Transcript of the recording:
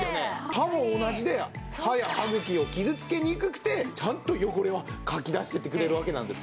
歯も同じで歯や歯茎を傷つけにくくてちゃんと汚れはかき出していってくれるわけなんです。